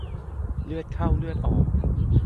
เลือดเข้าเลือดออก